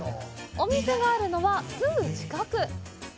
お店があるのは、すぐ近く！